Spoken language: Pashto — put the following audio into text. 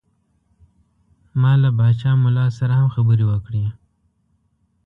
ما له پاچا ملا سره هم خبرې وکړې.